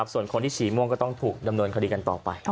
ส่วนคนที่ฉี่ม่วงก็ต้องถูกดำเนินคดีกันต่อไป